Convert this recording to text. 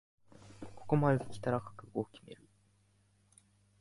ここまできたら覚悟を決める